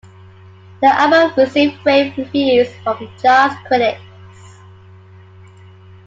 The album received rave reviews from jazz critics.